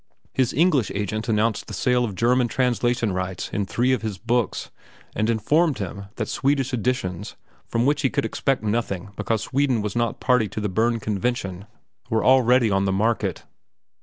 His English agent announced the sale of German translation rights in three of his books, and informed him that Swedish editions, from which he could expect nothing because Sweden was not a party to the Berne Convention, were already on the market.